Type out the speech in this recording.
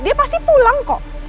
dia pasti pulang kok